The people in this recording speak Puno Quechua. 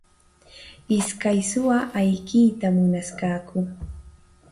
Iskay suwa ayqiyta munasqaku.